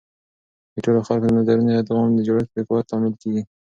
د ټولو خلکو د نظرونو ادغام د جوړښت د قوت لامل کیږي.